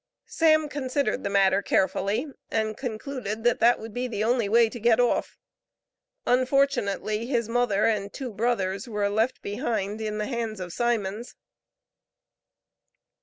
Sam considered the matter carefully and concluded that that would be the only way to get off. Unfortunately his mother and two brothers were left behind in the hands of Simons.